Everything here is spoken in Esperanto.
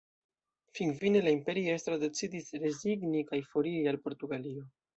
Finfine la imperiestro decidis rezigni kaj foriri al Portugalio.